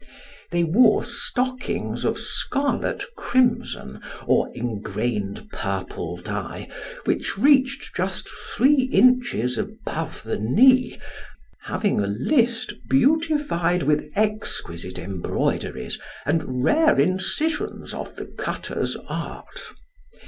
They wore stockings of scarlet crimson, or ingrained purple dye, which reached just three inches above the knee, having a list beautified with exquisite embroideries and rare incisions of the cutter's art.